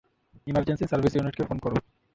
Emergency service ইউনিটকে phone করো।